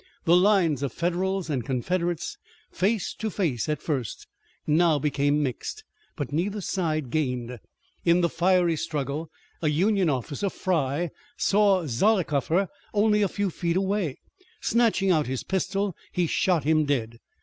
The lines of Federals and Confederates, face to face at first, now became mixed, but neither side gained. In the fiery struggle a Union officer, Fry, saw Zollicoffer only a few feet away. Snatching out his pistol he shot him dead.